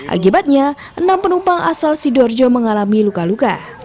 akibatnya enam penumpang asal sidoarjo mengalami luka luka